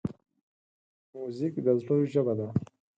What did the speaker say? موزیک د زړه ژبه ده.